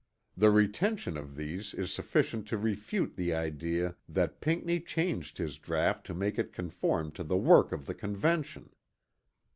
The retention of these is sufficient to refute the idea that Pinckney changed his draught to make it conform to the work of the Convention.